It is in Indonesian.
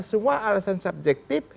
semua alasan subjektif